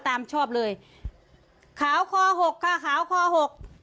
ชอบเลยขาวคอหกค่ะขาวคอหก